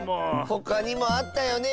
ほかにもあったよね